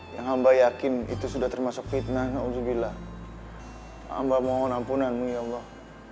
yang amba yakin itu sudah termasuk fitnah ya allah